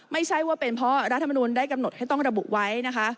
ไม่ใช่ว่าเป็นเพราะรัฐมนุนได้กำหนดให้ต้องระบุไว้นะคะ